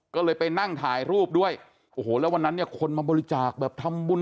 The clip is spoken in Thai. ก็เลยไปนั่งถ่ายรูปด้วยโอ้โหแล้ววันนั้นเนี่ยคนมาบริจาคแบบทำบุญ